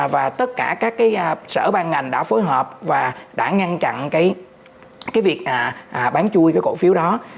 và tất cả các sở ban ngành đã phối hợp và đã ngăn chặn cái việc bán chui cái cổ phiếu đó